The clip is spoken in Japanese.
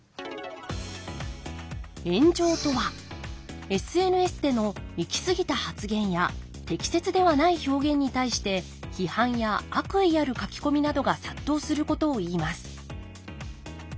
炎上とはＳＮＳでの行き過ぎた発言や適切ではない表現に対して批判や悪意ある書き込みなどが殺到することをいいます。